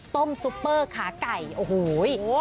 ซุปเปอร์ขาไก่โอ้โห